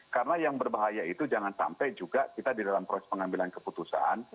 karena yang berbahaya itu jangan sampai juga kita di dalam proses pengambilan keputusan